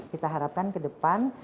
kita harapkan kedepan